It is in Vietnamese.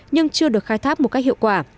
nhưng chưa được khai tháp một cách hiệu quả